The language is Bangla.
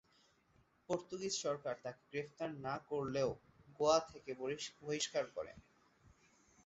পর্তুগিজ সরকার তাকে গ্রেপ্তার না করলেও গোয়া থেকে বহিষ্কার করে।